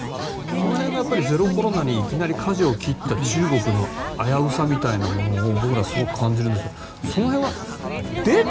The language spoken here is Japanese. その辺がゼロコロナにいきなりかじを切った中国の危うさというのを僕らは感じるんですがその辺はデータ